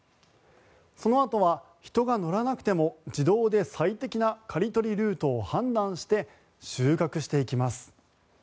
そのあとは人が乗らなくても自動で最適な刈り取りルートを判断して収穫していきます。